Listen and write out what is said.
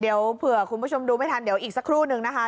เดี๋ยวเผื่อคุณผู้ชมดูไม่ทันเดี๋ยวอีกสักครู่นึงนะคะ